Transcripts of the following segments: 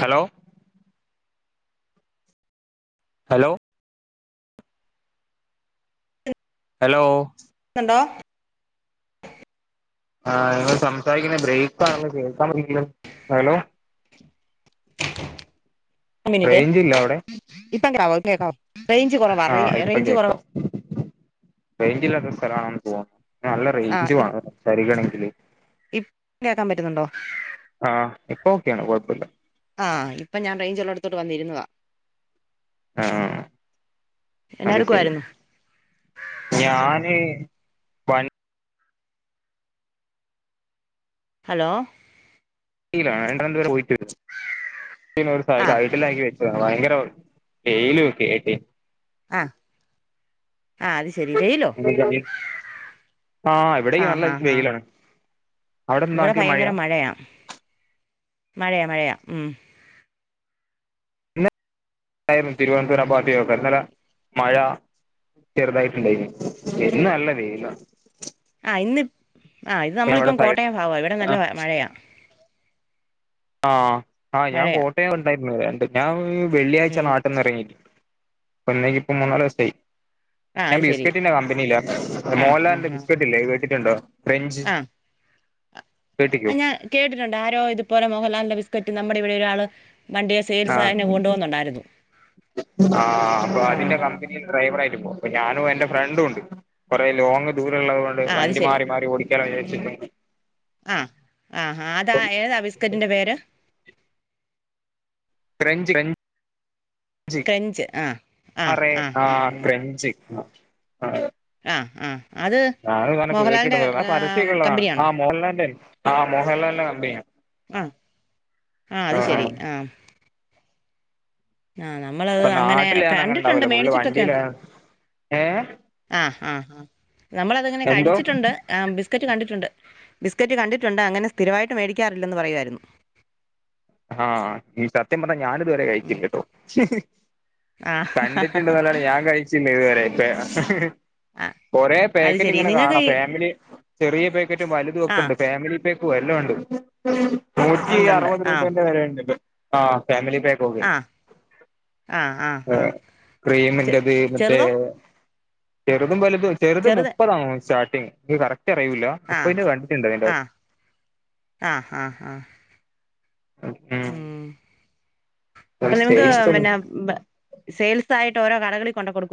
Hello hello hello ടോ ആഹ് നിങ്ങൾ സംസാരിക്കുന്ന ബ്രേക്ക് ആണ് കേൾക്കാൻ പറ്റുന്നില്ല ഹലോ [inaudible] ഒര്മിനിറ്റേ റേഞ്ച് ഇല്ല അവിടെ ഇപ്പ കേ കേക്കവോ റേഞ്ച് കൊറവാ റേയ് റേയ്ഞ്ച് കൊറവാ റേഞ്ചില്ലാത്ത സ്ഥലണെന്ന് തോന്നുന്നു നല്ല റേഞ്ച്വേണം സംസാരിക്കണെങ്കില് ഇപ്പ കേക്കാൻ പറ്റുന്ന്ണ്ടോ ആ ഇപ്പൊ ഓക്കെയാണ് കുഴപ്പമില്ല ആഹ് ഇപ്പൊ ഞാൻ റേഞ്ചള്ളോടത്തോട്ട് വന്നിര്ന്നതാ ആഹ് എന്നാ അത് ശെരി എടുക്കുവായിരുന്നു ഞാന് പ ഹലോ രണ്ട രണ്ടപരെ പോയിട്ട് ആഹ് വരട്ടാക്കി വ [unintelligible] ഭയങ്കര വെയ്ലും ഒക്കെആയിട്ടെ ആഹ് ആഹ് അത് ശെരി വെയ്ലോ ആഹ് ഇവിടേക്ക് നല്ല വെയിലാണ് അവിടെ ഇവടെ നാട്ടിൽ ഭയങ്കര മഴയാ മഴയാ മഴയാ മ് ഇന്ന് [unintelligible] തിരുവനന്തപുരം പാകതൊക്കെ ഇന്നലെ മഴ. ചെറുതായിട്ട് ഇണ്ടായ്ന്ന് ഇന്ന്‌ നല്ല വെയ്ലാ. ഇന്നിം ആഹ് ഇപ്പം നമ്മളിപ്പം സൈഡ് കോട്ടയം ഭാഗാ ഇവിടെ നല്ല മഴയാ. ആഹ് ആ ഞാൻ മഴയാ കോട്ടയം ഉണ്ടായിരുന്നു രണ്ട് ഞാൻ വെള്ളിയാഴ്ച ഉം നാട്ടിൽന്ന് ഇറങ്ങി... ഇപ്പൊ ഇന്നേക്ക് ഇപ്പൊ മൂന്നാല് ദിവസായി... ആഹ് ഞാൻ അത് ശരി ബിസ്കറ്റിന്റെ കമ്പനിയിലാ ആഹ് ആഹ് മോഹൻലാലിന്റെ ആഹ് ബിസ്കറ്റ് ഇല്ലേ കേട്ടിട്ടുണ്ടോ ക്രെൻഞ്ച് ആഹ് ഞാ കേട്ടിട്ടുണ്ട് ആരോ ഇതുപോലെ മോഹൻലാലിന്റെ ബിസ്കറ്റ് നമ്മുടെ ഇവിടെ ഒരാള് വണ്ടിയേൽ സേയിൽസ ആഹ് എന്നെ കൊണ്ടു പോകുന്നണ്ടായിരുന്നു... ആഹ് അപ്പൊ അതിന്റെ കമ്പനിയിൽ ഡ്രൈവർ ആയിട്ട് പോണു പ്പൊ ഞാനും എന്റെ ഫ്രണ്ടും ഉണ്ട് കുറെേ ലോങ്ങ് ദൂര ഉള്ളത് കൊണ്ട് ആഹ് അത് വണ്ടി ശരി മാറി മാറി ഓടിക്കാന്ന് വിചാരി ച്ചിട്ടേനി ആഹ് ആഹ് ആഹ് ആതാ ഏതാ ബിസ്കറ്റിന്റെ പേര് ക്രെഞ്ച് കഞ്ച് ക്രഞ്ച് ആഹ് ആഹ് ആറെ ആഹ് ആഹ് ആത്രഞ്ചി ആ.... അ ആഹ് അത് ആഹ് അത് അങ്ങനെ മോഹൻലാലിന്റെ കേട്ടിട്ടൊന്നുല്ല ആഹ് ആ, പരസ്യൊക്കെ ഉള്ളതാണ് കമ്പനിയാണോ ആഹ് മോഹൻലാലിന്റെ ആഹ് മോഹൻലാലിന്റെ കമ്പനിയാ ആഹ് ആ അത് ശരി ആഹ് ആഹ് നമ്മളത് ഇപ്പൊ അങ്ങനെ നാട്ടില് ഞാൻ അങ്ങനെ കണ്ടിട്ടുണ്ട് ഉണ്ടാവൂല പുള്ളി വണ്ടിയില മേടിച്ചിട്ടൊക്കെയുണ്ട് ഏ ആഹ് ആഹ് ആഹ് നമ്മളതങ്ങനെ എന്തോ കഴിച്ചിട്ടുണ്ട് ഏഹ് ബിസ്ക്കറ്റ് ക കണ്ടിട്ടുണ്ട് ബിസ്ക്കറ്റ് കണ്ടിട്ടുണ്ട് അങ്ങനെ സ്ഥിരമായിട്ട് മേടിക്കാറില്ലെന്ന് പറയുവായിരുന്നു ആഹ് ഈ സത്യം പറഞ്ഞാ ഞാനിതുവരെ ഉം കഴിച്ചില്ലട്ടോ ആഹ് കണ്ടിട്ടുണ്ട് നെല്ലാതെ ഞാൻ കഴിച്ചില്ല ഇതുവരെ ആയിട്ട് ആഹ് കുറേ അത് പേക്കറ്റ് ശരി ഇങ്ങനെ നിങ്ങൾക്ക് കാണാം ഈ ഫാമിലി ചെറിയ പേക്കറ്റും വലുതും ഒക്കെ ആഹ് ഉണ്ട് ഫാമിലി പേ ഓഹ് എല്ലാം ഉണ്ട് നൂറ്റി ഉണ്ടുണ്ട് അറുപതു രൂപ ആഹ് ണ്ട് ആഹ് ഫാമിലി പേക്ക് ഒക്കെ... ആഹ് ആഹ് ക്രീമിൻറ്റത് മറ്റേ ചെറുതോ ചെറുതും വലതും ചെറുത് മുപ്പതാണോ സ്റ്റാർട്ടിങ് ഇൻക്ക് കറക് റ്റ് അറിയൂല്ല ആഹ് മുപ്പയിന്റെ കണ്ടിട്ടുണ്ട് അതിന്റെകത്ത് ആഹ് ഏഹ് അപ്പൊ നിങ്ങക്ക് സ്റ്റേജ് പിന്നെ സെയിൽസ് ആയിട്ട് ഓരോ കടകളിൽ കൊണ്ടോ കൊടുക്കും.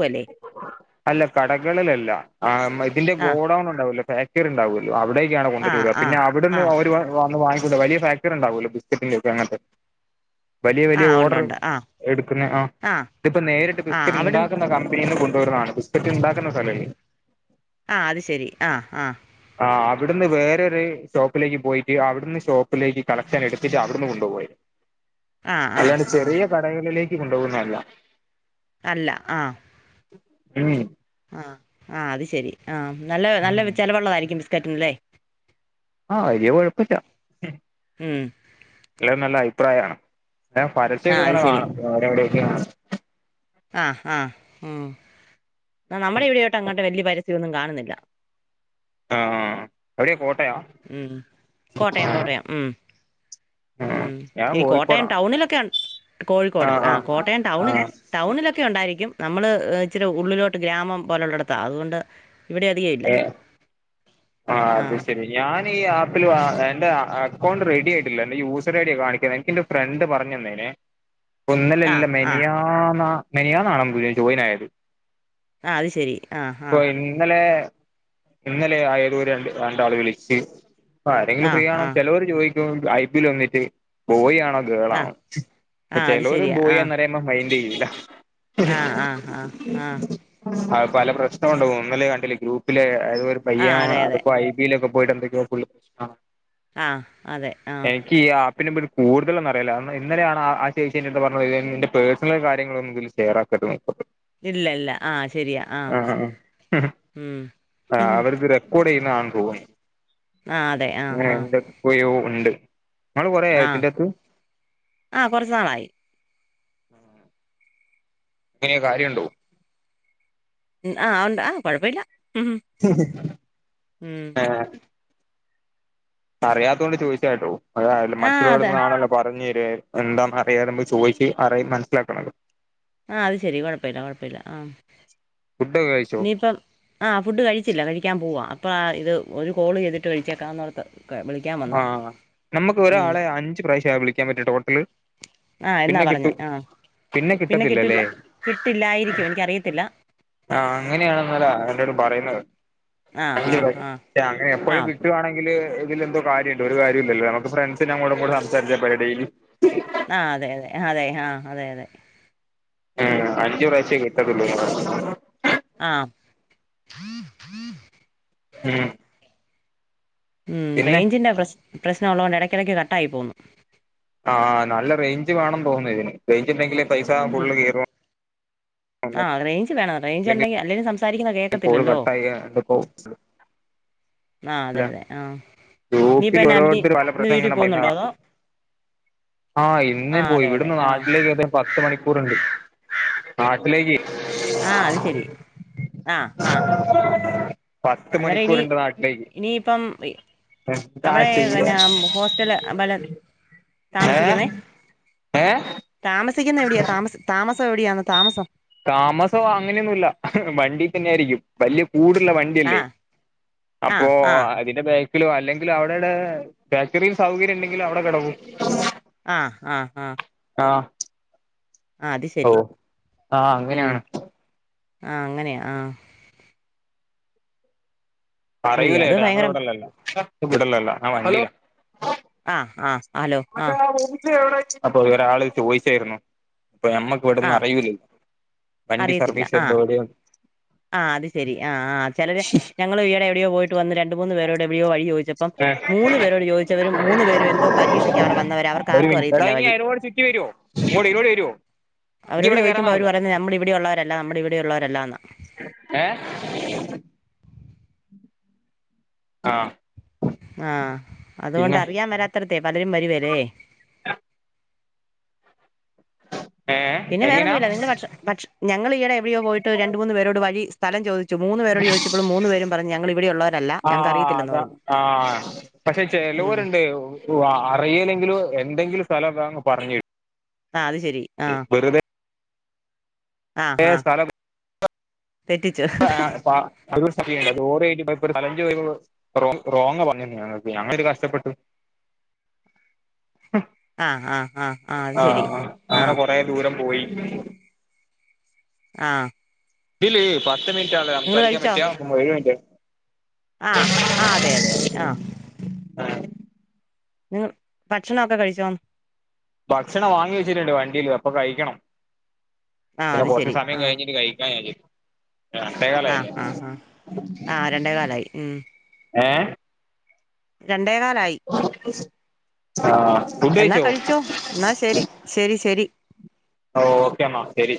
അല്ല കടകളിലല്ല ആ ഇതിന്റെ ആഹ് ഗോഡൗൺ ഉണ്ടാവൂല്ലെ ഫാക്ടറി ഉണ്ടാവൂല്ല. അവിടേക്കാണ് കൊണ്ടട്ട് ആഹ് വിടുക ആഹ് പിന്നെ അവിടുന്ന് ആഹ് അവര് ആഹ് വന്ന് വാങ്ങ. വലിയ ഫാക്ടറി ഉണ്ടാവൂല്ലോ ബിസ്ക്കറ്റിന്റെ ഒക്കെ അങ്ങനത്തെ. വലിയ വലിയ ആഹ് ഉണ്ട് ഓർഡർ ഉണ്ട് ആഹ് എടുക്കുന്ന ആ ആഹ് ഇതിപ്പോ നേരിട്ട് ആഹ് ബിസ്ക്കറ്റ് അവിടുന്ന് ഉണ്ടാക്കുന്ന കമ്പ ന്ന് കൊണ്ടുവരുന്നതാണ് ബിസ്ക്കറ്റ് ഉണ്ടാക്കുന്ന സ്ഥലല്ലേ. ആഹ് അത് ശെരി ആഹ് ആ.. ആ അവിടുന്ന് വേറൊരു ഷോപ്പിലേക്ക് പോയിട്ട് അവിടുന്ന് ഷോപ്പിലേക്ക് കളക്ഷൻ എടുത്തിട്ട് അവിടുന്ന് കൊണ്ടുപോവായിരുന്നു... ആഹ് ആഹ് അല്ലൻണ്ട് ആഹ് ചെറിയ കടകളിലേക്ക് കൊണ്ടുപോകുന്നതല്ല... അല്ല ആഹ്. ഉം ആഹ് ആ അത് ശരി ആഹ് നല്ല നല്ല ചിലവുള്ളതായിരിക്കും ബിസ്കറ്റിനല്ലേ. ആഹ വലിയ കൊഴപ്പില്ല ഉം എല്ലാം നല്ല അഭിപ്രായമാണ്. പിന്നെ ആഹ് അത് പരസ്യംഒക്കെഇങ്ങനെ ശരി കാണാം എവിടേം ഇവിടെയൊക്കെ കാണാം. ആഹ് ആഹ് ഉം നമ്മുടെ ഇവിടോട്ട് അങ്ങോട്ട് വലിയ പരസ്യ പരസ്യം ഒന്നും കാണുന്നില്ല... ആഹ് ആ എവിടെയാ.. [unintelligible] ഉം കോട്ടയം ആ കോട്ടയം ഉം. ആ ഉം ഞാൻ ഇനി കോട്ടയം കോഴിക്കോടാണ് ടൗണിലൊക്കെ... കോഴിക്കോട് ആ കോട്ടയം ആ ടൗണ് ടൗണിലൊക്കെ ഉണ്ടായിരിക്കും... നമ്മൾ ഇച്ചിരി ഉള്ളിലോട്ട് ഗ്രാമം പോലെ ഉള്ളടത്താ അതുകൊണ്ട് ഇവിടെ അധികം ഇല്ല ഏ ആ അത് ശരി ഞാൻ ഈ ആപ്പിൽ ആ എന്റെ അക്കൗണ്ട് റെഡി ആയിട്ടില്ല എന്റെ യൂസർ ഐഡിയാ കാണിക്ക്ന്നെ എനിക്ക്‌ ഇന്റെ ഫ്രണ്ട് പറഞ് ഞ്ഞെന്നെനെ ഇപ്പ ഇന്നലെ ആ അല്ല ആ മെനിയാന്നാ മെനിയാണ്ന്നെ ജോയിൻ ആയത് ആ അത് ശരി ആ ആ പ്പൊ ഇന്നലെ ഇന്നലെ ആയരോ രണ്ട് രണ്ടാള് വിളിച്ച് ആരെങ്കിലും ആ ഫ്രീ ആണോ ആ ചെലോര് ചോയിക്കും ഐ പി ല് വന്നിട്ട് ബോയിയാ ആ ഗേളാണോ ആ അത് ചേലോര് ഒ ബോയി ആന്നറിയുമ്പോ മൈൻഡ് ചെയ്യില്ല ആഹ് ആഹ് ആഹ് ആഹ് അത് പല പ്രശ്നവുണ്ടാവും ഇന്നലേ കണ്ടില്ലെ ഗ്രൂപ്പില് ഏതോ ഒരു ആ പയ്യൻ അതെ അതെ അപ്പോ ഐ ബിയി ലൊക്കെ പോയിട്ട്ന്തക്കയോ പുള്ളി ആ ആഹ് അതെ ആഹ് പിന്നെ കൂടുലൊന്നും അറില്ല ഇന്നലെയാണ് ആ ചേച്ചി എന്റെ അടുത്ത് പറഞ്ഞത് പേഴസണൽ കാര്യങ്ങളൊന്നും ഇതിൽ ഷെയർറാക്കരുത് [unintelligible] ഇല്ല ഇല്ല ആ ശരിയാ ആ ഉം ആ ഹും, ഹും. അവരത് റെക്കോർഡ് ചെയ്യുന്നതാണ് തോന്നുന്നു ആ അതെ ആ അങ്ങനെ ആ എന്തക്കയോ ഉണ്ട് നിങ്ങള് കൊറേ ആ ആയോ ഇതിന്റെത്ത് ആ കുറച്ച് നാളായി എങ്ങനെയ കാര്യണ്ടോ ഉം ആ ഒണ്ട് ആഹ് കൊഴപ്പം ഇല്ല ആ അറിയാത്തൊണ്ട് ചോദിച്ചായിട്ടോ അ ആ അതെ മറ്റുള്ളരിടത്തുന്ന്ആണല്ലെ പറഞ് എന്താന്ന് അറിയാതെ നമ്മൾ ചോയിച്ച് അറി മനസ്സിലാക്കണല്ലോ ആഹ് അത് ശെരി കൊഴപ്പയ്ല്ല കൊഴപ്പയ്ല്ല ആ ഫുഡൊക്കെ കഴിച്ചോ ഇനിയിപ്പം ആഹ് ഫുഡ് കഴിച്ചില്ല കഴിക്കാൻ പോവാ ഇപ്പോം ആ ഇത് ഒരു കോള് ചെയ്തിട്ട് കഴിച്ചേക്കാംന്ന് ഓർത്ത് ആ നമ്മക്ക് ഒരാളെ അഞ്ച് പ്രാവശ്യാ വിളിക്കാൻ പറ്റാ ടോട്ടൽ ആഹ് എന്നാ പറഞ്ഞേ ആഹ് പിന്നെ കിട്ടില്ല കിട്ടില്ലായിരിക്കും എനിക്കറിയത്തില്ല ആഹ് അങ്ങനെയണെന്നാല എല്ലാരും പറയുന്നത് ആ ആ അഞ്ച് ആ പ്രാശം അങ്ങനെ ആ എപ്പഴും കിട്ടുണെങ്കില് ഇതിലെന്തോ കാര്യണ്ട് ഒരു കാര്യം ഇല്ലോ നമുക്ക് ഫ്രണ്ട് ഞങ്ങോട് ഇങ്ങോട്ടും സംസാരിച്ചാ പോരെ ഡെയിലി ആ അതെ അതെ ആ അതെ ആ അതെ അതെ ആ അഞ്ചു പ്രാശ്യേ കിട്ടത്തൊല്ലൂ ആഹ് ഉം ഉം പിന്നെ റേഞ്ചിന്റെ പ്രശ് പ്രശ്നം ഉള്ളതോണ്ട് എടക്ക്‌ എടക്ക് കട്ടായി പോവുന്നു ആഹ് നല്ല റേഞ്ച് വേണംന്ന് തോന്നുന്നു ഇതിന് റേഞ്ച് ഇല്ലങ്കില് പൈസ ഉം. ഫുള്ള് കേറുവോ [unintelligible] ഞ്ച് വേണം റെയിഞ്ച് ഒണ്ടെങ്കി അല്ലേലും സംസാരിക്കുന്ന കോള് കേക്കത്തില്ലല്ലോ കട്ടായി ആ അതെ അല്ല അതെ ആഹ് ഗ്രൂപ്പിൽ ഓരോരുത്തര് പല പ്രശ്നങ്ങളും പറയുന്നെ കാണാം അതോ ആഹ് ആ ഇന്നേ പോയി അതെ അതെ ഇവിടുന്ന് ആ നാട്ടിലേക്ക് എത്താൻ പത്ത് മണിക്കൂറ്ണ്ട് നാട്ടിലേക്ക് ആഹ് അത് ശരി ആഹ് ആഹ് പത്ത് അന്നേരം ഇനി മണിക്കൂറുണ്ട് നാട്ടിലേക്ക് ഇനിയിപ്പം എന്താ അവ്ടെ ചെയ്യാ എന്നാ ഹോസ്റ്റല് പല ഏഹ് താമസിക്കുന്നേ ഏഹ് താമസ് സിക്കുന്ന എവിടെയാ താമസ താമസം എവിടെയാണ് താമസം താമസം അങ്ങനെയൊന്നുല്ല വണ്ടി തന്നെ ആരിക്കും വല്യ കൂടുള്ള വണ്ടിയല്ലേ ആഹ് അപ്പോ ആഹ് ആഹ് അതിന്റെ ബാ ഹലോ അല്ലെങ്കിൽ അവിടെടെ ബേക്കറിൽ സൗകര്യം ഉണ്ടെങ്കിൽ അവിടെ കിടക്കും ആഹ് ആഹ് ആഹ് ആ ആഹ് അത് ഓ ശരി ആഹ് അങ്ങനെയാണ് ആ അങ്ങനെയ ആ അയ്യോ പറയൂലേ അത് ചേട്ടാ ഭയങ്കര ഞങ്ങളിവിടല്ലല്ലോ ഇടല്ലല്ല ഞാൻ വണ്ടിലാ ആഹ് ആഹ് ഹലോ ആഹ് അപ്പൊ ഒരാള് ചോദിച്ചായിരുന്നു അപ്പൊ ഞമ്മക്ക് ഇവിടൊന്നും ആഹ് അറിയുല്ലല്ലോ വണ്ടി അറിയത്തില്ല സർവീസ് ആഹ് ചെയുന്നേ ഏടേന്ന് ആഹ് അത് ശരി ആ ആ ചിലര് ഞങ്ങൾ ഈയിടെ എവിടെയോ പോയിട്ട് വന്ന് രണ്ട് മൂന്ന് പേരോട് വഴി ചോദിച്ചപ്പം മൂന്ന് പേരോട് ചോദിച്ചവരും മൂന്നു പേരും എന്തോ പരീക്ഷയ്ക്ക് അവിടെ വന്നവര ഒരു അവർക്കാർക്കും അറിയത്തില്ല വഴി [unintelligible] ചുറ്റി വരോ ഇങ്ങോട്ട്‌ ങ്ങ ട്ട് വരുവോ എനിക്ക് അവരോട് ഇവിടെ ചോദിക്കുമ്പോൾ അവർ കയറാനാവൂല്ല പറയുന്നത് നമ്മൾ ഇവിടെ ഉള്ളവരല്ല നമ്മൾ ഇവിടെ ഉള്ളവരല്ല എന്നാ ഏ ആഹ് ആഹ് അതുകൊണ്ട് അറിയാൻ വരാത്തരത്തെ പലരും വരുവേല്ലേ ഏ പിന്നെ എങ്ങനാ വേറൊന്നുമില്ല നിങ്ങള് പക്ഷ പക്ഷ ഞങ്ങൾ ഈയെടെവിടെയോ പോയിട്ട് രണ്ട് മൂന്നുപേരോട് വഴി സ്ഥലം ചോദി ച്ചു മൂന്ന് പേരോട് ചോദിച്ചപ്പളും മൂന്നു പേരും പറഞ്ഞ് ഞങ്ങൾ ഇവിടെയുള്ളവരല്ല ആ ഞങ്ങക്ക് അറിയത്തില്ലെന്ന് പറഞ്ഞു ഉം ചിലവരുണ്ട് അറിയില്ലെങ്കിലും എന്തെങ്കിലും സ്ഥലമൊക്കെ അങ്ങ് പറഞ്ഞരും ആ അത് ശെരി ആഹ് ആഹ് ആഹ് [unintelligible] റോങ്ങ് റോങ്ങ പണി തൊടങ്ങി ണേഞങ്ങൾക്ക് ഞങ്ങൾ അതിൽ കഷ്ടപ്പെട്ടു ആ ആ ആ അത് ആ ശരി ആ അങ്ങനെ കൊറേ ദൂരം പോയി ആഹ് ഇല്ല ഇല്ല പത്ത് മിനിട്ടാണ് സംസാരിക്കാൻ പറ്റുക ഒരു മിനിറ്റ് ആ ആ അതെ അതെ ആ ആ നിങ്ങള് ഭക്ഷണൊക്കെ കഴിച്ചോ ഭക്ഷണം വാങ്ങി വെച്ചിട്ടുണ്ട് വണ്ടീൽ അപ്പൊ കഴിക്കണം ആ പിന്നെ അത് കുറച്ച് ശരി സമയം കഴിഞ്ഞിട്ട് കഴിക്കാൻ കഴിയല് ആഹ് ആഹ് ആഹ് ആഹ് രണ്ടേ കാലായി ഉം ഏ രണ്ടേകാലായി ആഹ് ഫുഡ് എന്നാ കഴിച്ചോ എന്നാ ശരി ശരി ശരി ഓ ഓക്കെ മാ ശരി